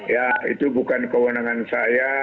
ya itu bukan kewenangan saya